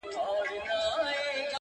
o گراني انكار.